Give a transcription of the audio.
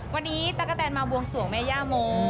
วันนี้ตะกะแตนมาบวงสวงแม่ย่าโม